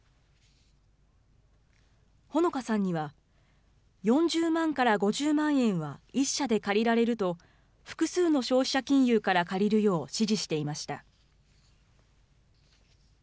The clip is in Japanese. ほのかさんには、４０万から５０万円は、１社で借りられると、複数の消費者金融から借りるよう、指示していました。